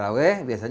kalau kita flashback